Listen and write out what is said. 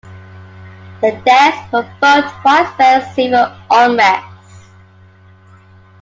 The deaths provoked widespread civil unrest.